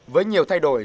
với nhiều thay đổi